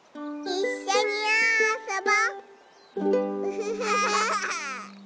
いっしょにあそぼ。